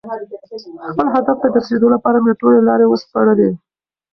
خپل هدف ته د رسېدو لپاره مې ټولې لارې وسپړلې.